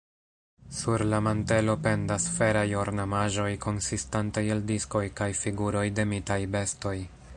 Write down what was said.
Sur la mantelo pendas feraj ornamaĵoj konsistantaj el diskoj kaj figuroj de mitaj bestoj.